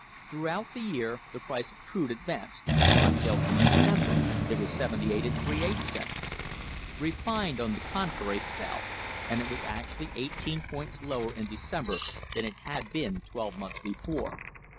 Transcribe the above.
Throughout the year the price of crude advanced, until in December it was 78^ cents. Refined, on the contrary, fell, and it was actually 18 points lower in December than it had been twelve months before.